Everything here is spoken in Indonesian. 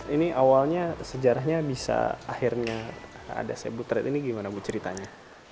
ini awalnya sejarahnya bisa akhirnya ada sebutret ini gimana bu ceritanya